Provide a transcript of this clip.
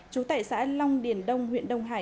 chú tải xã long điền đông huyện đông hoa